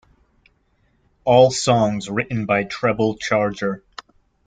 All songs written by Treble Charger.